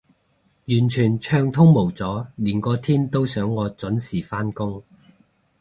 完全暢通無阻，連個天都想我準時返工